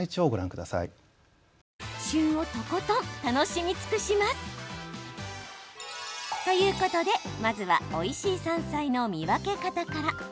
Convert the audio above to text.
楽ワザ連発で旬をとことん楽しみ尽くします。ということで、まずはおいしい山菜の見分け方から。